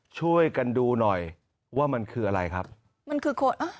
ช่วยกันดูหน่อยว่ามันคืออะไรครับมันคือคนอ่ะ